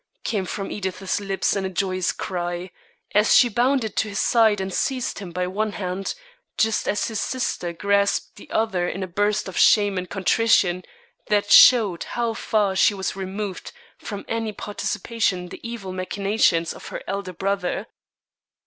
came from Edith's lips in a joyous cry, as she bounded to his side and seized him by one hand, just as his sister grasped the other in a burst of shame and contrition that showed how far she was removed from any participation in the evil machinations of her elder brother.